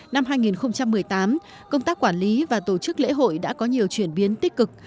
năm hai nghìn một mươi tám công tác quản lý và tổ chức lễ hội đã có nhiều chuyển biến tích cực